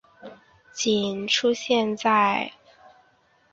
仅出现在雷凰梦中。